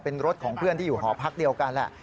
เป็นรถของเพื่อนที่อยู่หอพักเดียวกันแหละ